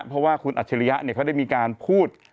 เพราะว่าคุณอัจฉริยะเขาได้มีการพูด